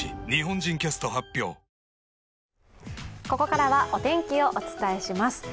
ここからはお天気をお伝えします。